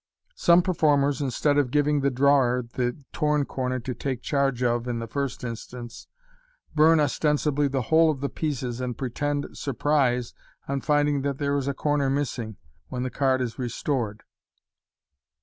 Some performers, instead of giving the drawer the torn corner to take charge of in the first instance, burn os tensibly the whole of the pieces, and pretend sur prise on finding that there is a corner miss ing when the card is restored.